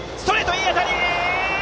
いい当たり！